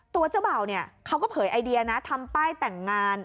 เจ้าบ่าวเนี่ยเขาก็เผยไอเดียนะทำป้ายแต่งงาน